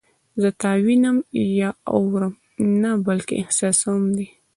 زه تا وینم یا اورم نه بلکې احساسوم دې